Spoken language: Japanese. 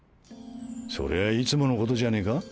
そりゃあいつものことじゃねえか？